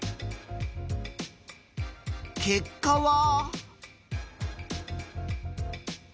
結果は。